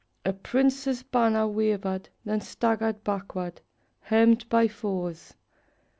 A prince's banner Wavered, then staggered backward, hemmed by foes.